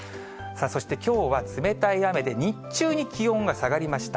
そしてきょうは冷たい雨で、日中に気温が下がりました。